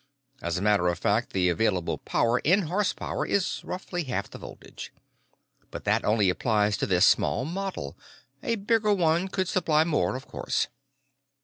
As a matter of fact, the available power in horsepower is roughly half the voltage. But that only applies to this small model. A bigger one could supply more, of course."